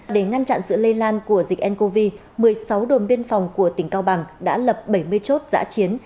để ngăn chặn sự lây lan của dịch ncov một mươi sáu đồn biên phòng của tỉnh cao bằng đã lập bảy mươi chốt giã chiến